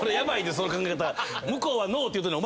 その考え方。